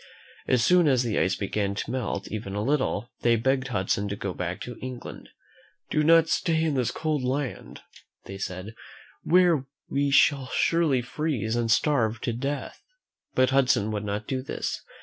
As soon as the ice began to melt even a little, they begged Hud son to go back to England. Do not stay in this cold land," they said, "where we shall surely freeze and starve to death." But Hudson would not do this.